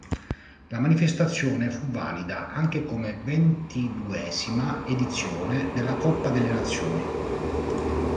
La manifestazione fu valida anche come ventiduesima edizione della Coppa delle Nazioni.